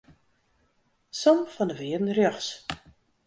Som fan de wearden rjochts.